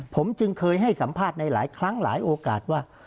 ผมจึงเคยให้สัมภาษณ์ในหลายครั้งหลายโอกาสว่า